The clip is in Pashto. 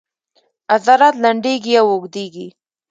عضلات لنډیږي او اوږدیږي